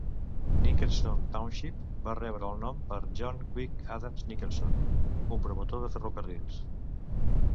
Nickerson Township va rebre el nom per John Quincy Adams Nickerson, un promotor de ferrocarrils.